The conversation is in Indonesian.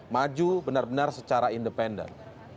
maju benar benar secara independen